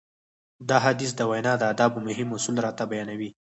دا حديث د وينا د ادابو مهم اصول راته بيانوي.